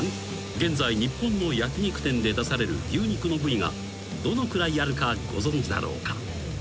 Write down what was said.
現在日本の焼肉店で出される牛肉の部位がどのくらいあるかご存じだろうか？］